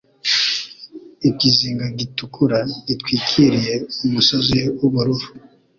Ikizinga gitukura gitwikiriye Umusozi w'ubururu.